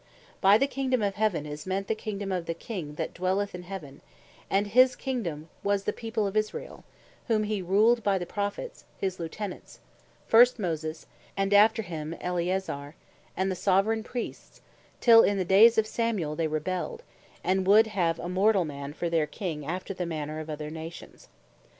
By the Kingdome of Heaven, is meant the Kingdome of the King that dwelleth in Heaven; and his Kingdome was the people of Israel, whom he ruled by the Prophets his Lieutenants, first Moses, and after him Eleazar, and the Soveraign Priests, till in the days of Samuel they rebelled, and would have a mortall man for their King, after the manner of other Nations.